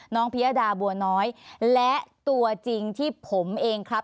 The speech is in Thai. พิยดาบัวน้อยและตัวจริงที่ผมเองครับ